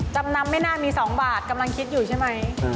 จำนำไม่น่ามี๒บาทกำลังคิดอยู่ใช่ไหม